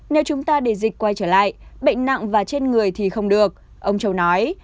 nếu chúng ta để dịch quay trở lại bệnh nặng và trên người thì không được ông châu nói